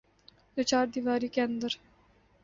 توچاردیواری کے اندر۔